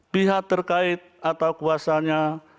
pihak terkait atau kuasanya